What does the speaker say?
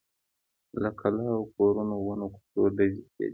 له کلاوو، کورونو، ونو، کوڅو… ډزې کېدې.